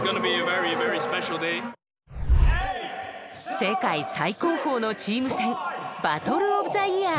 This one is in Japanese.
世界最高峰のチーム戦バトルオブザイヤー。